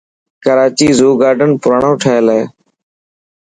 ڪراچي زو گارڊن پراڻو ٺهيل هي.